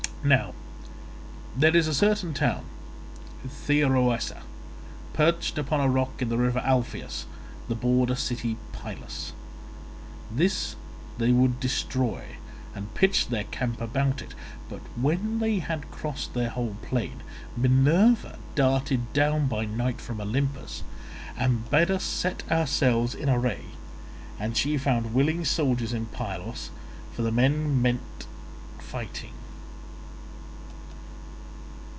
Now there is a certain town, Thryoessa, perched upon a rock on the river Alpheus, the border city of Pylus. This they would destroy, and pitched their camp about it, but when they had crossed their whole plain, Minerva darted down by night from Olympus and bade us set ourselves in array; and she found willing soldiers in Pylos, for the men meant fighting.